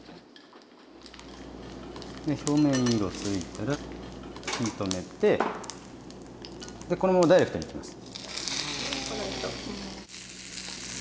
表面色ついたら火止めてこのままダイレクトにいきます。